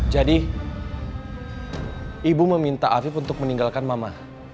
jadi ibu meminta afif untuk meninggalkan mama